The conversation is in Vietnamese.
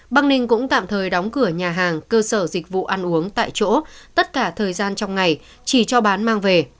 bắc ninh cũng tạm thời đóng cửa nhà hàng cơ sở dịch vụ ăn uống tại chỗ tất cả thời gian trong ngày chỉ cho bán mang về